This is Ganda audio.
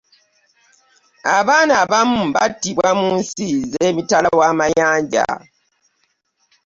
abaana abamu battibwa mu nsi z'emitala wamayanja.